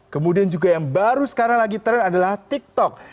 kemudian juga yang baru sekarang lagi tren adalah tiktok